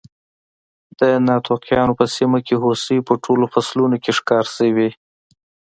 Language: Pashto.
د ناتوفیانو په سیمه کې هوسۍ په ټولو فصلونو کې ښکار شوې.